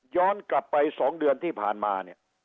ย้อนกลับไป๒เดือนที่ผ่านมา